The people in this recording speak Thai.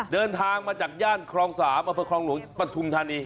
เดินทางมาจากย่านครองสามาร์พระครองหนุนปฐุมธานี